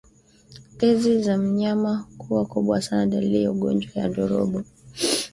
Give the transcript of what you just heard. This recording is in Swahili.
Tezi za mnyama kuwa kubwa sana ni dalili za ugonjwa wa ndorobo